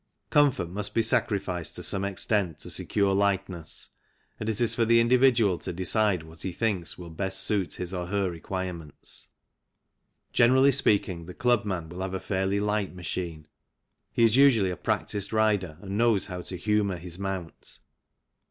Comfort must be sacrificed to some extent to secure lightness, and it is for the individual to decide what he thinks will best suit his or her requirements. Generally speaking, the clubman will have a fairly light machine ; he is usually a practised rider and knows how to humour his mount.